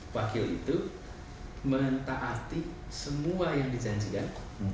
wakil itu mentaati semua yang dijanjikan